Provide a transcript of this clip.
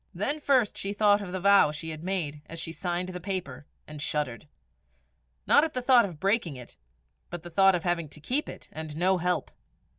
Then first she thought of the vow she had made as she signed the paper, and shuddered not at the thought of breaking it, but at the thought of having to keep it, and no help.